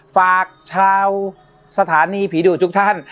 ฝากชาวสถานีผีดุทุกท่าน